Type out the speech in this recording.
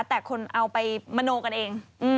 แต่คนเอาไปมโนกันเอง